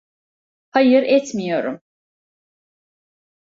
Hayır, etmiyorum.